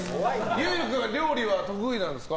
結流君は料理得意なんですか。